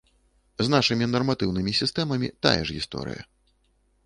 З нашымі нарматыўнымі сістэмамі тая ж гісторыя.